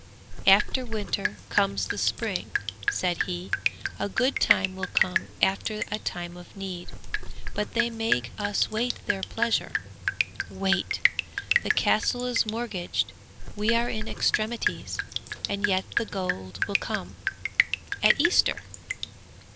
'"After winter comes the spring," said he; "a good time will come after a time of need; but they make us wait their pleasure, wait! The castle is mortgaged, we are in extremities and yet the gold will come at Easter!"